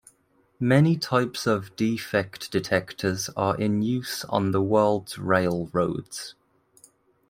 Many types of defect detectors are in use on the world's railroads.